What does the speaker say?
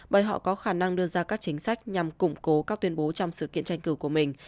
bởi họ có khả năng đưa ra các chính sách nhằm củng cố các tuyên bố trong sự kiện tranh cử của mình